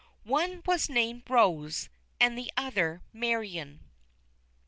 One was named Rose, and the other Marion.